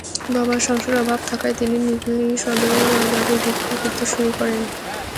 বাবার সংসারে অভাব থাকায় তিনিও নিকলী সদর বাজারে ভিক্ষা করতে শুরু করেন।